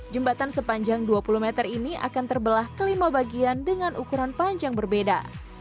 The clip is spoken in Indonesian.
jembatan sepanjang dua puluh meter ini akan terbelah kelima bagian dengan ukuran panjang berbeda